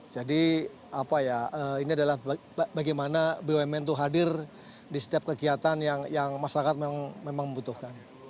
jadi apa ya ini adalah bagaimana bumn tuh hadir di setiap kegiatan yang masyarakat memang membutuhkan